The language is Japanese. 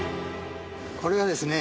これはですね